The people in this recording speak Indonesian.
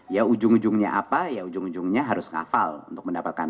ya ujung ujungnya apa ya ujung ujungnya harus hafal untuk mendapatkan